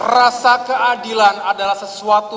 rasa keadilan adalah sesuatu